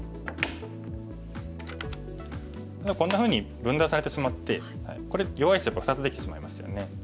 こんなふうに分断されてしまってこれ弱い石が２つできてしまいましたよね。